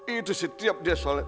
itu setiap dia sholat